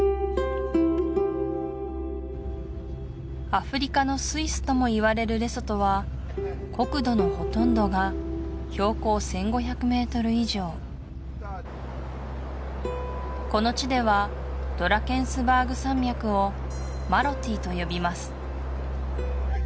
アフリカのスイスともいわれるレソトは国土のほとんどが標高１５００ｍ以上この地ではドラケンスバーグ山脈をマロティと呼びます